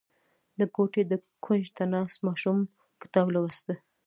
• د کوټې د کونج ته ناست ماشوم کتاب لوسته.